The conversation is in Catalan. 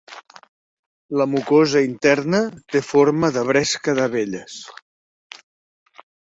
La mucosa interna té forma de bresca d'abelles.